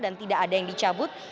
dan tidak ada yang dicabut